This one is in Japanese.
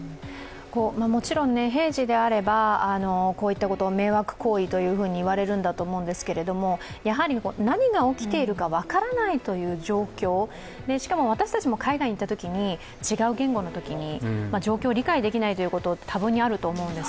もちろん平時であればこういったこと、迷惑行為というふうに言われると思うんですがやはり何が起きているか分からないという状況しかも私たちも海外に行ったときに、違う言語の時に状況、理解できないことは多分にあると思うんです。